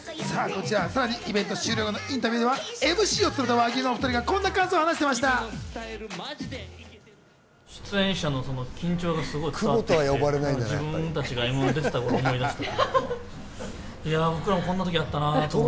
イベント終了後のインタビューではＭＣを務めた和牛のお２人がこんな感想を話していました。